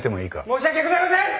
申し訳ございません！